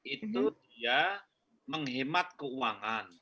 itu ya menghemat keuangan